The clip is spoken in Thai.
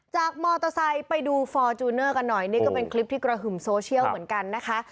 จากมอเตอร์ไซค์ไปดูฟอร์จูเนอร์กันหน่อยนี่ก็เป็นคลิปที่กระหึ่มโซเชียลเหมือนกันนะคะ